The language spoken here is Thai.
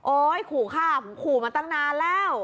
โอ๊ยขู่ฆ่าขู่มาตั้งนานแล้ว